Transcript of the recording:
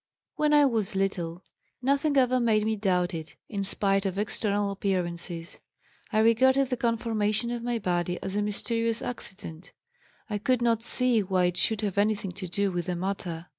"When I was little, nothing ever made me doubt it, in spite of external appearance. I regarded the conformation of my body as a mysterious accident. I could not see why it should have anything to do with the matter.